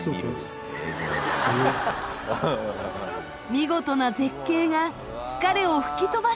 見事な絶景が疲れを吹き飛ばしてくれる。